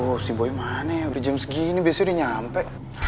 lo si boy mana ya berjam segini biasanya udah nyampe